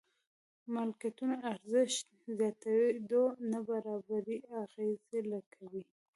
ملکيتونو ارزښت زياتېدو نابرابري اغېزه کوي.